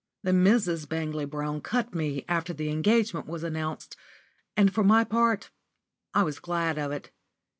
The Misses Bangley Brown cut me after the engagement was announced, and, for my part, I was glad of it.